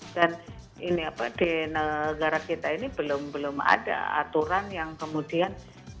dan ini apa di negara kita ini belum belum ada aturan yang kemudian